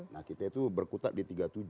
nah kita itu berkutat di tiga puluh tujuh